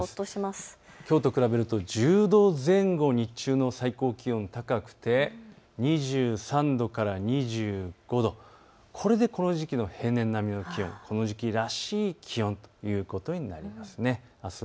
きょうと比べると１０度前後、日中の最高気温が高くて２３度から２５度、これでこの時期の平年並みの気温、この時期らしい気温ということになります。